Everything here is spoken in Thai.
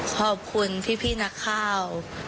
ขอบคุณพี่นักข่าว